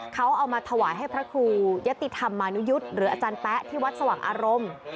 เขาเอามาถวายให้พระครูยะติธรรมานุยุทธ์หรืออาจารย์แป๊ะที่วัดสว่างอารมณ์